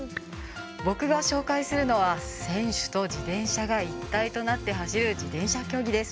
僕が紹介するのは選手と自転車が一体となって走る自転車競技です。